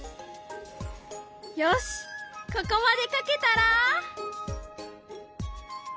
よしここまで描けたら。